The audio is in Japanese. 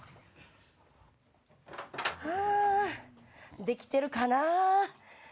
ハァできてるかな？